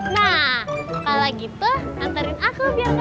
nah kalau gitu hantarin aku biar enggak galau